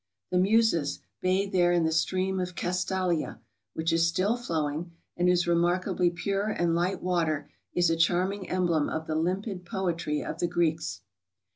The Muses bathed there in the stream of Castalia, which is still flowing, and whose remarkably pure and light water is a charming emblem of tlie limpid poetry of the Greeks.